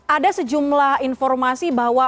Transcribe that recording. ada sejumlah informasi bahwa